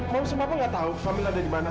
mau semapa gak tau kamila ada di mana